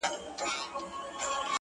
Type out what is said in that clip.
• خلگو شتنۍ د ټول جهان څخه راټولي كړې،